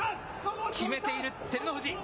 決めている照ノ富士。